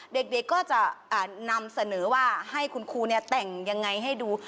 เด็กก็จะนำเสนอว่าให้คุณครูแต่งยังไงให้ดู